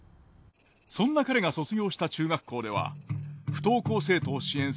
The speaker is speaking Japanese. そんな彼が卒業した中学校では不登校生徒を支援する教室